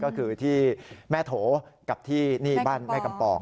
ก็คือที่แม่โถกับที่นี่บ้านแม่กำปอก